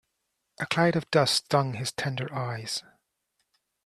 A cloud of dust stung his tender eyes.